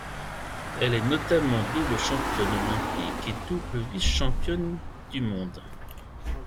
Elle est notamment double championne olympique et double vice-championne du monde.